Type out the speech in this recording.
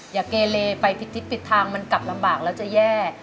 อย่าเกเลไปผิดทิศผิดทางมันกลับลำบากแล้วจะแย่